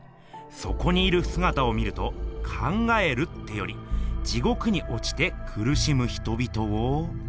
そこにいるすがたを見ると考えるってより地獄におちてくるしむ人々を。